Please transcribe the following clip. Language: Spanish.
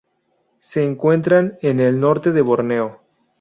Se encuentran en el norte de Borneo.